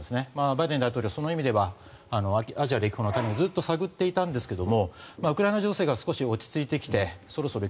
バイデン大統領、その意味ではアジア歴訪のタイミングをずっと探っていたんですがウクライナ情勢がそろそろ